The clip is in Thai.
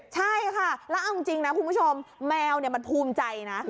ใช่ค่ะแล้วเอาจริงนะคุณผู้ชมแมวมันภูมิใจนะ